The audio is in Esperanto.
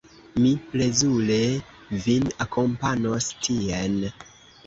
Mi plezure vin akompanos tien.